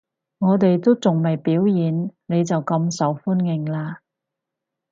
我哋都仲未表演，你就咁受歡迎喇